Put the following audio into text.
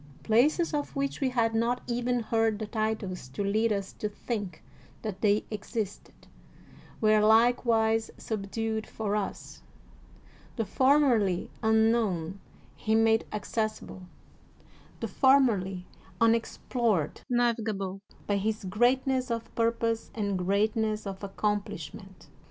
Places of which we had not even heard the titles to lead us to think that they existed, were likewise subdued for us : the formerly un known he made accessible, the formerly unex plored navigable by his greatness of purpose and greatness of accomplishment.